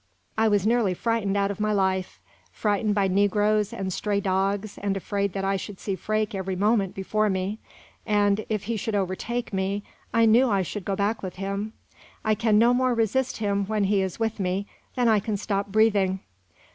I was nearly frightened out of my life frightened by negroes and stray dogs, and afraid that I should see Freke every moment before me, and, if he should overtake me, I knew I should go back with him. I can no more resist him when he is with me than I can stop breathing.